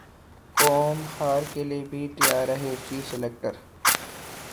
قوم ہار کیلئے بھی تیار رہے چیف سلیکٹر